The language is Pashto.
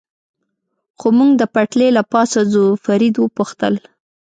خو موږ د پټلۍ له پاسه ځو، فرید و پوښتل.